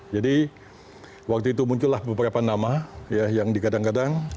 jadi waktu itu muncullah beberapa nama yang dikadang kadang